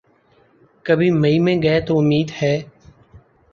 کبھی مئی میں گئے تو امید ہے۔